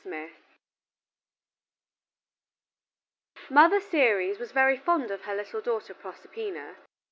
SMITH Mother Ceres was very fond of her little daughter Proserpina.